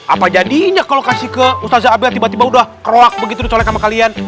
apa jadinya kalau kasih ke ustaza abel tiba tiba udah kerolak begitu dicolek sama kalian